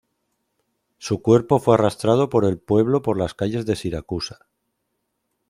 Su cuerpo fue arrastrado por el pueblo por las calles de Siracusa.